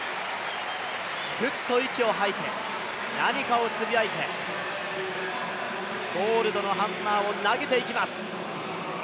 ふっと息を吐いて、何かをつぶやいて、ゴールドのハンマーを投げていきます。